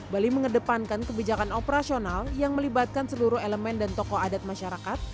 bali mengedepankan kebijakan operasional yang melibatkan seluruh elemen dan tokoh adat masyarakat